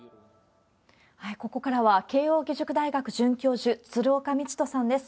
ここからは、慶応義塾大学准教授、鶴岡路人さんです。